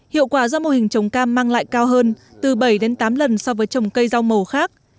hiệu quả do mô hình trồng cam mang lại cao hơn từ bảy đến tám lần so với trồng cây rau màu khác